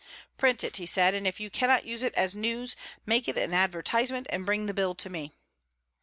"Print it," he said, "and if you cannot use it as news, make it an advertisement and bring the bill to me."